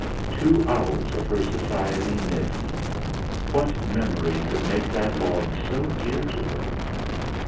Two hours of her society missed! What memory could make that log so dear to her?